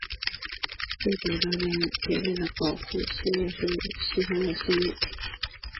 不久连美雅也为了保护希布亦牺牲了性命。